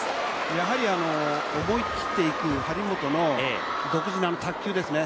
やはり、思い切っていく張本の独自な卓球ですね。